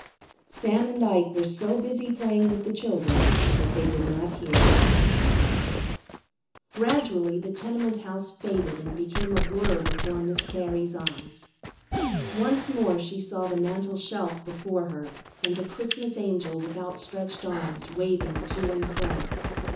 Sam and Ike were so busy playing with the children that they did not hear. Gradually the tenement house faded and became a blur before Miss Terry's eyes. Once more she saw the mantel shelf before her and the Christmas Angel with outstretched arms waving to and fro.